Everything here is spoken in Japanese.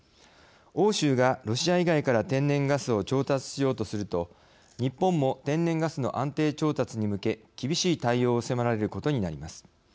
欧州がロシア以外から天然ガスを調達しようとすると日本も天然ガスの安定調達に向け厳しい対応を迫られることになります。